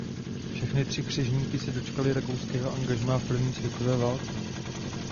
Všechny tři křižníky se dočkaly rakouského angažmá v první světové válce.